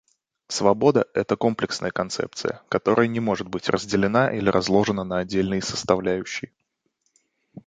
Свобода — это комплексная концепция, которая не может быть разделена или разложена на отдельные составляющие.